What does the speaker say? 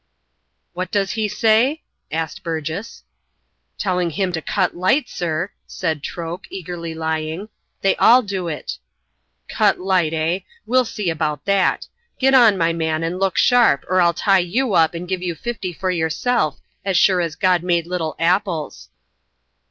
"What does he say?" asked Burgess. "Telling him to cut light, sir," said Troke, eagerly lying; "they all do it." "Cut light, eh! We'll see about that. Get on, my man, and look sharp, or I'll tie you up and give you fifty for yourself, as sure as God made little apples."